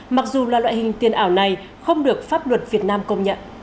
mặc dù là loại hình tiền ảo này không được pháp luật việt nam công nhận